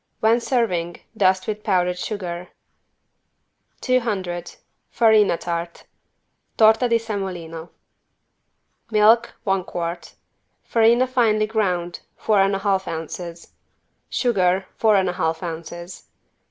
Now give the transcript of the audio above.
When serving dust with powdered sugar. 200 FARINA TART (Torta di semolino) Milk, one quart. Farina finely ground, four and a half ounces. Sugar, four and a half ounces.